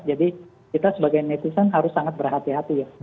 jadi kita sebagai netizen harus sangat berhati hati ya